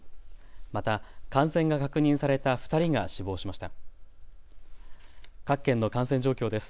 また感染が確認された２人が死亡しました。